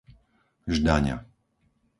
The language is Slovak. Ždaňa